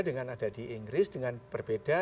dengan ada di inggris dengan berbeda